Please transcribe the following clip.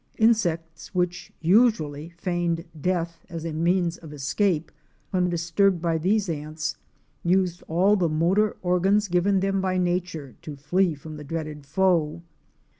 Insects which usually feigned death as a means of escape, when disturbed by these ants used all the motor organs given them by nature to flee from the dreaded foe.